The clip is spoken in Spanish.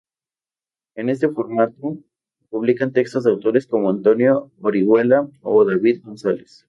En este formato, publican textos de autores como Antonio Orihuela o David González.